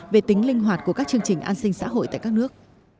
về tính linh hoạt của các chương trình an sinh xã hội tại các nước